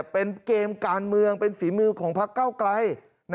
เป็นเกมการเมืองเป็นฝีมือของพักเก้าไกล